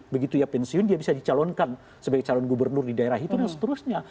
begitu ya pensiun dia bisa dicalonkan sebagai calon gubernur di daerah itu dan seterusnya